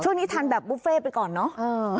ทานแบบบุฟเฟ่ไปก่อนเนอะ